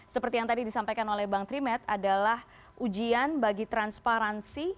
seperti yang tadi disampaikan oleh bang trimet adalah ujian bagi transparansi